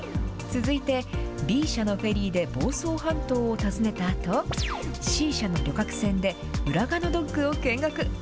続いてＢ社のフェリーで房総半島を訪ねたあと、Ｃ社の旅客船で浦賀のドックを見学。